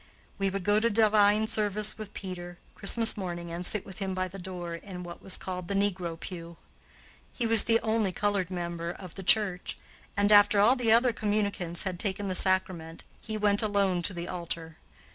We would go to divine service with Peter, Christmas morning and sit with him by the door, in what was called "the negro pew." He was the only colored member of the church and, after all the other communicants had taken the sacrament, he went alone to the altar.